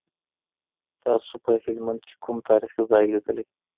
تاسو په هلمند کي کوم تاریخي ځای لیدلی؟